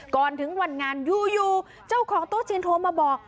ก่อนถึงวันงานอยู่เจ้าของโต๊ะจีนโทรมาบอก